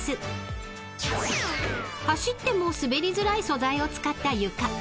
［走っても滑りづらい素材を使った床］